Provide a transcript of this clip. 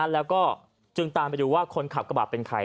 แล้วก็จึงตามไปดูว่าคนขับกระบะเป็นใคร